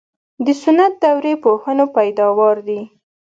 د سنت دورې پوهنو پیداوار دي.